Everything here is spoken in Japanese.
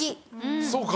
そうか。